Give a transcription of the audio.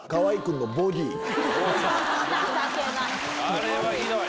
あれはひどい。